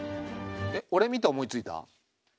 えっ俺見て思いついた？